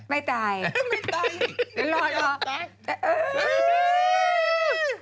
ไม่ตายหรอ